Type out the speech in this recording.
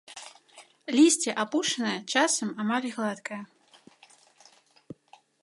Лісце апушанае, часам амаль гладкае.